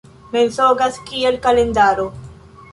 Mensogas kiel kalendaro.